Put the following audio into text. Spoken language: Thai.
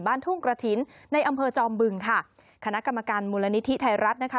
ทุ่งกระถินในอำเภอจอมบึงค่ะคณะกรรมการมูลนิธิไทยรัฐนะคะ